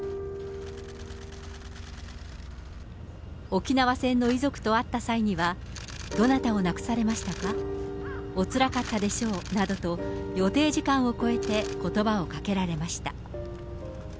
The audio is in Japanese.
沖縄戦の遺族と会った際には、どなたを亡くされましたか、おつらかったでしょうなどと、予定時間を超えて、ことばをかけられました。